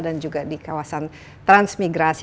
dan juga di kawasan transmigrasi